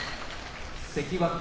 関脇